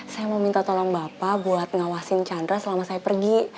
saya mau minta tolong bapak buat ngawasin chandra selama saya pergi